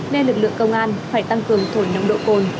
nên lực lượng công an phải tăng cường thổi nồng độ cồn